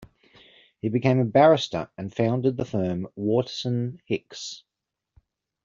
He became a barrister and founded the firm Waterson Hicks.